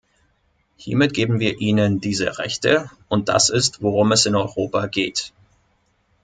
Hiermit geben wir ihnen diese Rechte, und das ist, worum es in Europa geht.